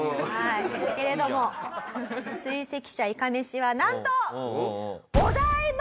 けれども追跡者いかめしはなんと！